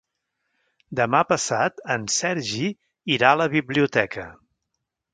Demà passat en Sergi irà a la biblioteca.